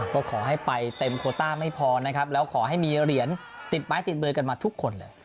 ก็ขอให้ไปเต็มโคต้าไม่พอนะครับแล้วขอให้มีเหรียญติดไม้ติดมือกันมาทุกคนเลย